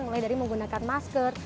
mulai dari menggunakan masker